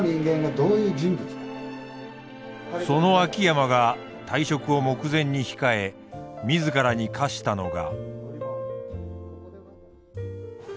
その秋山が退職を目前に控え自らに課したのが。